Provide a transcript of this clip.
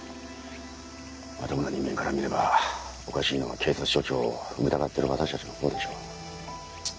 まともな人間から見ればおかしいのは警察署長を疑ってる私たちのほうでしょう。